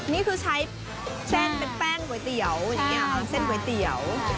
นี่คือใช้แป้งก้วยเตี๋ยวเส้นก้วยเตี๋ยว